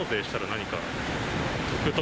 何か。